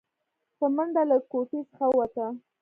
په منډه له کوټې څخه ووته.